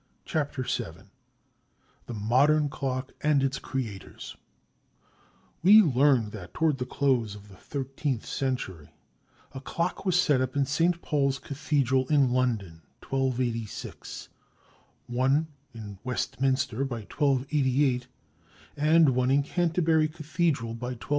CHAPTER SEVEN The Modern Clock and Its Creators We learn that toward the close of the thirteenth century a clock was set up in St. Paul's Cathedral in London (1286); one in Westminster, by 1288; and one in Canterbury Cathedral, by 1292.